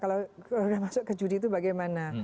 kalau sudah masuk ke judi itu bagaimana